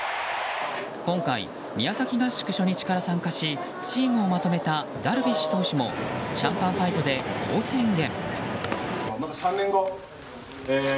今回、宮崎合宿初日から参加しチームをまとめたダルビッシュ投手もシャンパンファイトで、こう宣言。